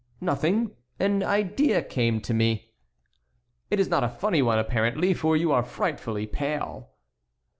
"Nothing! An idea came to me." "It is not a funny one, apparently, for you are frightfully pale."